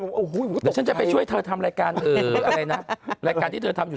โอ้โหแต่ฉันจะไปช่วยเธอทำรายการอะไรนะรายการที่เธอทำอยู่